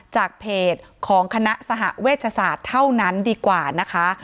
จากเพจของคณะสหเวชศาสตร์เท่านั้นดีกว่านะคะ